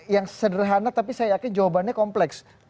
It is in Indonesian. yang sederhana tapi saya yakin jawabannya kompleks